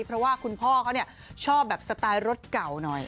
เพราะว่าคุณพ่อเขาชอบแบบสไตล์รถเก่าหน่อย